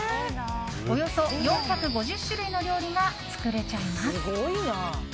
およそ４５０種類の料理が作れちゃいます。